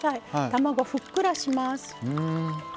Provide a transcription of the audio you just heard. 卵ふっくらします。